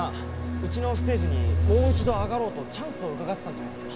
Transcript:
うちのステージにもう一度上がろうとチャンスをうかがってたんじゃないですか？